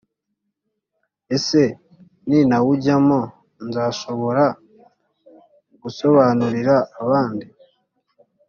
ese nintawujyamo nzashobora gusobanurira abandi